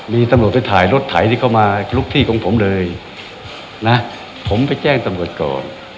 มีตำรวจไปถ่ายรถไถที่เข้ามาลุกที่ของผมเลยนะผมไปแจ้งตำรวจก่อน